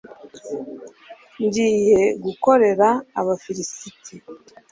ngiye gukorera abafilisiti